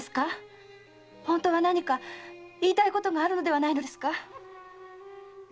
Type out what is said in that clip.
本当は何か言いたいことがあるのではないのですか